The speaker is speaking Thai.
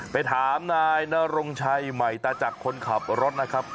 ไปถามนายนรงชัยใหม่ตาจักรคนขับรถนะครับ